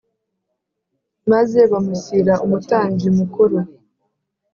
maze bamushyira umutambyi mukuru